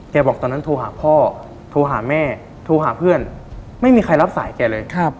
บอกตอนนั้นโทรหาพ่อโทรหาแม่โทรหาเพื่อนไม่มีใครรับสายแกเลย